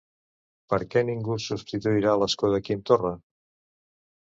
Per què ningú substituirà l'escó de Quim Torra?